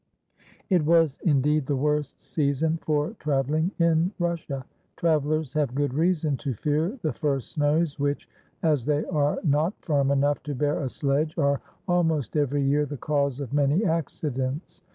It was indeed the worst season for travelling in Russia. Travellers have good reason to fear the first snows, which, as they are not firm enough to bear a sledge, are almost every year the cause of many accidents.